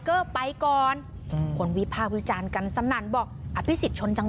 ก่อนอืมคนวีภาพวิจารณ์กันสั้นนั้นบอกอภิสิตชนจัง